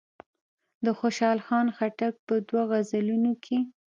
د خوشحال خان خټک په دوو غزلونو کې.